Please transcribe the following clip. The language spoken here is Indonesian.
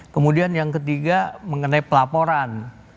kemudian yang ketiga mengenai pelaporan